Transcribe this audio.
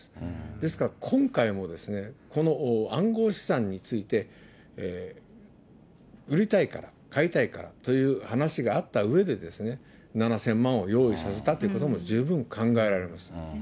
ですから今回も、この暗号資産について、売りたいから、買いたいからという話があったうえで、７０００万を用意させたということも十分考えられます。